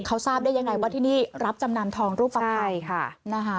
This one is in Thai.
เขาทราบได้ยังไงว่าที่นี่รับจำนำทองรูปภัณฑ์ค่ะนะคะ